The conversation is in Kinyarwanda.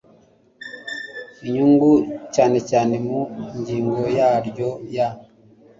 inyungu cyane cyane mu ngingo yaryo ya